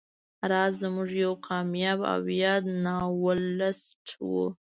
راز زموږ یو کامیاب او یاد ناولسټ و